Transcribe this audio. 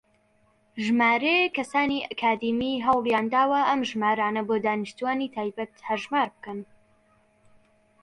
ژمارەیەک کەسانی ئەکادیمی هەوڵیانداوە ئەم ژمارانە بۆ دانیشتووانی تایبەت هەژمار بکەن.